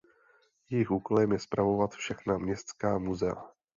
Jejím úkolem je spravovat všechna městská muzea.